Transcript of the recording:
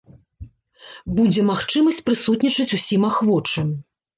Будзе магчымасць прысутнічаць усім ахвочым.